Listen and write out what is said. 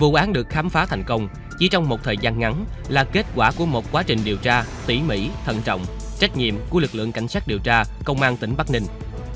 vụ án được khám phá thành công chỉ trong một thời gian ngắn là kết quả của một quá trình điều tra tỉ mỉ thận trọng trách nhiệm của lực lượng cảnh sát điều tra công an tỉnh bắc ninh